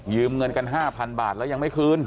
เงินกัน๕๐๐บาทแล้วยังไม่คืน